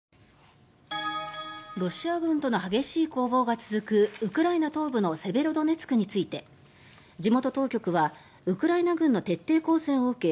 ロシア軍との激しい攻防が続くウクライナ東部のセベロドネツクについて地元当局はウクライナ軍の徹底抗戦を受け